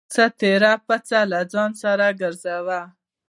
څه تېره پڅه له ځان سره گرځوه.